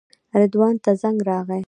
رضوان ته زنګ راغی.